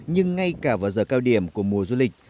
nhưng ngay cả vào giờ cao điểm của mùa du lịch